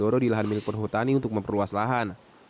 pelaku mencari lahan milik perhutani untuk memperluas lahan